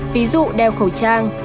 ví dụ đeo khẩu trang